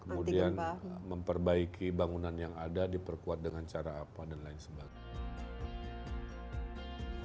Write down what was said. kemudian memperbaiki bangunan yang ada diperkuat dengan cara apa dan lain sebagainya